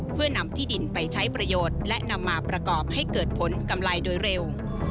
เพื่อนำที่ดินไปใช้ประโยชน์และนำมาประกอบให้เกิดผลกำไรโดยเร็ว